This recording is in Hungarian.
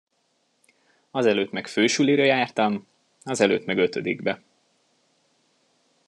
Azelőtt meg fősulira jártam, azelőtt meg ötödikbe.